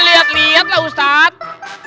lihat lihat lah ustadz